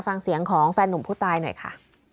ฟังเสียงของแฟนหนุ่มผู้ตายหน่อยค่ะ